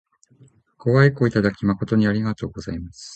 ご愛顧いただき誠にありがとうございます。